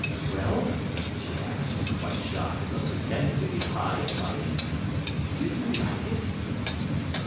"Well," she asked, quite shy, but pretending to be high and mighty, "do you like it?"